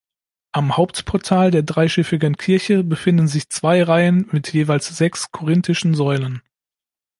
Am Hauptportal der dreischiffigen Kirche befinden sich zwei Reihen mit jeweils sechs korinthischen Säulen.